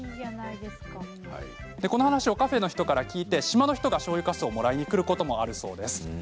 この話をカフェの人から聞いてさらに島の人がしょうゆかすをもらいに来ることもあるそうです。